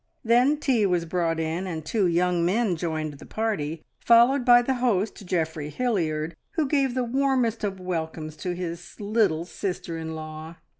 Then tea was brought in, and two young men joined the party, followed by the host, Geoffrey Hilliard, who gave the warmest of welcomes to his little sister in law.